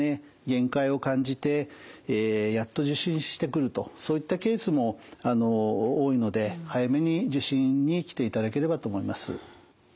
限界を感じてやっと受診してくるとそういったケースも多いので早めに受診に来ていただければと思います。